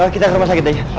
kita ke rumah sakit aja